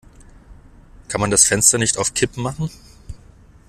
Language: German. Kann man das Fenster nicht auf Kipp machen?